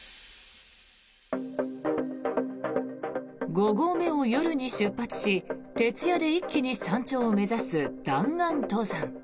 ５合目を夜に出発し徹夜で一気に山頂を目指す弾丸登山。